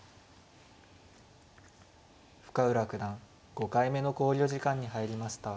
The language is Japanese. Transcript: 深浦九段５回目の考慮時間に入りました。